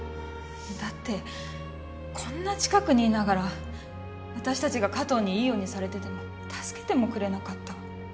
だってこんな近くにいながら私たちが加藤にいいようにされてても助けてもくれなかった。